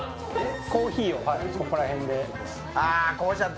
コーヒーをここら辺であ